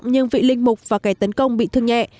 nhưng vị linh mục và kẻ tấn công bị thương nhẹ